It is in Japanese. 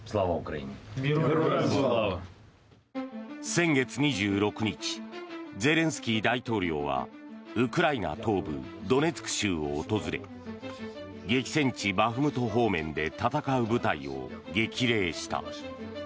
先月２６日ゼレンスキー大統領はウクライナ東部ドネツク州を訪れ激戦地バフムト方面で戦う部隊を激励した。